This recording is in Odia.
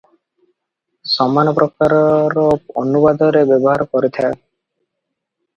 ସମାନ ପ୍ରକାରର ଅନୁବାଦରେ ବ୍ୟବହାର କରିଥାଏ ।